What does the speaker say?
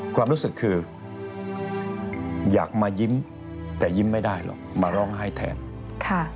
ความรู้สึกคืออยากมายิ้มแต่ยิ้มไม่ได้หรอกมาร้องไห้แทนค่ะ